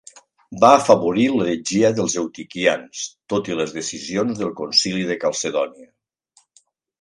Va afavorir l'heretgia dels eutiquians, tot i les decisions del Concili de Calcedònia.